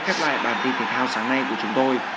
khép lại bản tin thể thao sáng nay của chúng tôi